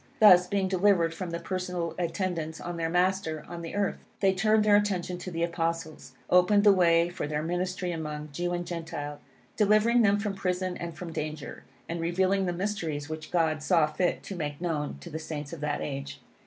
Thus, being delivered from the personal attendance on their Master on the earth, they turned their attention to the Apostles, opened the way for their ministry among Jew and Gentile, delivering them from prison and from danger, and revealing the mysteries which God saw fit to make known to the Saints of that age.